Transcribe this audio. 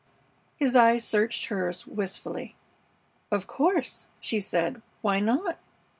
His eyes searched hers wistfully. "Of course," she said. "Why not?"